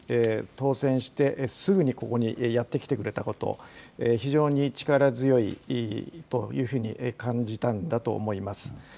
当選してすぐにここにやって来てくれたこと、非常に力強いというふうに感じたんだと思います。